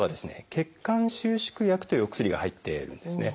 「血管収縮薬」というお薬が入ってるんですね。